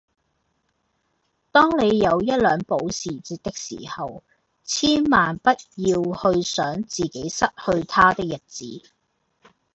當你有一輛保時捷的時候，千萬不要去想自己失去它的日子